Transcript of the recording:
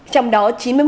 trong đó chín mươi một